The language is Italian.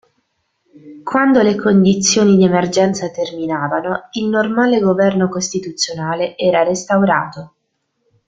Quando le condizioni di emergenza terminavano, il normale governo costituzionale era restaurato.